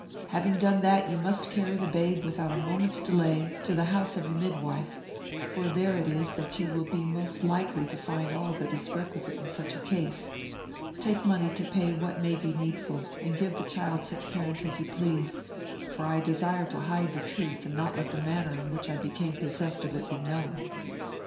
Having done that, you must carry the babe, without a moment's delay, to the house of a midwife, for there it is that you will be most likely to find all that is requisite in such a case. Take money to pay what may be needful, and give the child such parents as you please, for I desire to hide the truth, and not let the manner in which I became possessed of it be known."